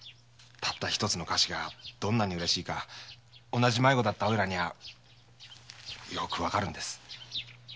たった一つの菓子がどんなにうれしいか同じ迷子だったおいらにはよくわかるんです。